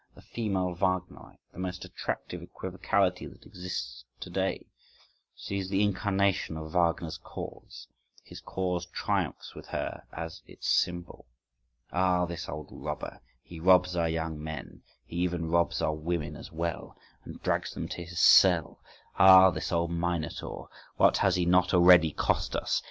The female Wagnerite, the most attractive equivocality that exists to day: she is the incarnation of Wagner's cause: his cause triumphs with her as its symbol.… Ah, this old robber! He robs our young men: he even robs our women as well, and drags them to his cell.… Ah, this old Minotaur! What has he not already cost us?